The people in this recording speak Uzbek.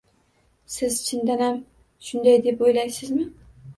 -Siz chindanam shunday deb o’ylaysizmi?